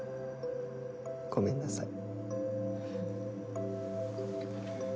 ごめんなさい。